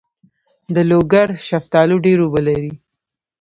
د لوګر شفتالو ډیر اوبه لري.